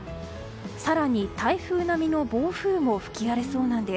更に台風並みの暴風も吹き荒れそうなんです。